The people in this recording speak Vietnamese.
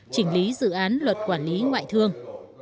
chỉnh lý dự án luật quản lý ngoại thương